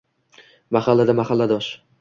Mahallada — mahalladosh